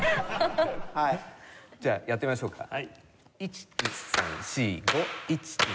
じゃあやってみましょうか。